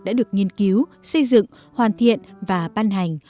đã được nghiên cứu xây dựng hoàn thiện và ban hành